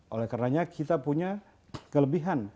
oleh karenanya kita punya kelebihan